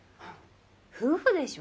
夫婦でしょ。